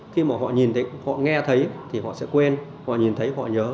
khi mà họ nhìn thấy họ nghe thấy thì họ sẽ quên họ nhìn thấy họ nhớ